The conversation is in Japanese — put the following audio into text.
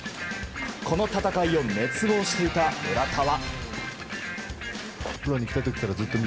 この戦いを熱望していた村田は。